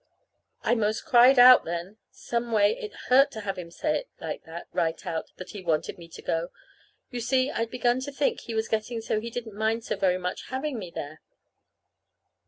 I 'most cried out then. Some way, it hurt to have him say it like that, right out that he wanted me to go. You see, I'd begun to think he was getting so he didn't mind so very much having me here.